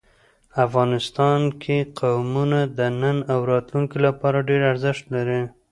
افغانستان کې قومونه د نن او راتلونکي لپاره ډېر ارزښت لري.